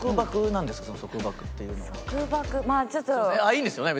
いいんですよね？